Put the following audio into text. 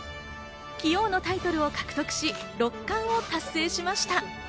棋王のタイトルを獲得し、六冠を達成しました。